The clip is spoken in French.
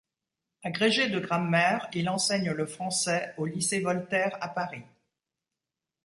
Agrégé de grammaire, il enseigne le français au lycée Voltaire à Paris.